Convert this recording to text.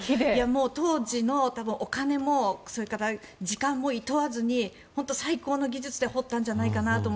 当時のお金もそれから時間もいとわずに最高の技術で掘ったんじゃないかなと。